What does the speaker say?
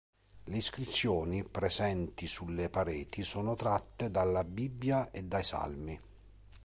Le iscrizioni presenti sulle pareti sono tratte dalla Bibbia e dai Salmi.